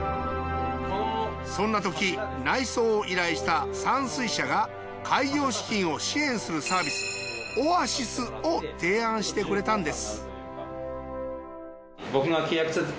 そんなとき内装を依頼した山翠舎が開業資金を支援するサービスオアシスを提案してくれたんです